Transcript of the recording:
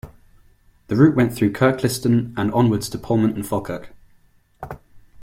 The route went through Kirkliston and onwards to Polmont and Falkirk.